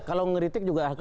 kalau ngeritik juga aku